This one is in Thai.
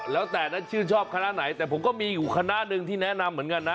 แล้วแต่นั้นชื่นชอบคณะไหนแต่ผมก็มีอยู่คณะหนึ่งที่แนะนำเหมือนกันนะ